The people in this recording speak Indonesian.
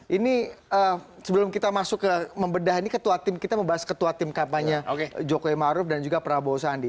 ini sebelum kita masuk ke membedah ini ketua tim kita membahas ketua tim kampanye jokowi maruf dan juga prabowo sandi